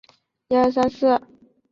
曾祖父尹务本。